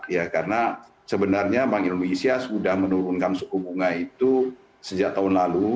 ya karena sebenarnya bank indonesia sudah menurunkan suku bunga itu sejak tahun lalu